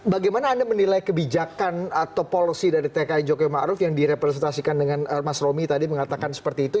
bagaimana anda menilai kebijakan atau polosi dari tki jokowi ma'ruf yang direpresentasikan dengan mas romi tadi mengatakan seperti itu